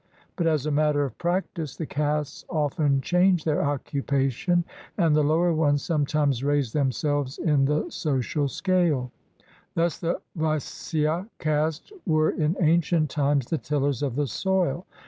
But, as a matter of practice^ the castes often change their occupation, and the lower ones sometimes raise themselves in the social scale. Thus the Vaisya caste were in ancient times the tillers of the soil.